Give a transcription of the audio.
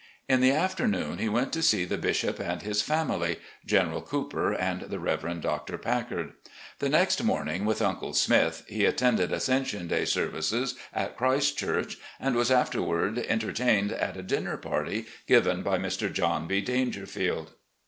In the afternoon he went to see the bishop and his family — General Cooper and the Reverend Dr. Packard. The next morning, with Uncle Smith, he *Mis. S. S. Lee. LEE'S LETTERS TO HIS SONS 351 attended Ascension Day services at Christ church, and was afterward entertained at a dinner party given by Mr John B. Daingerfield.